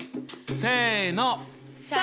せの！